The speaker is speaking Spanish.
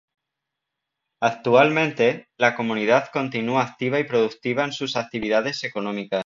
Actualmente, la comunidad continúa activa y productiva en sus actividades económicas.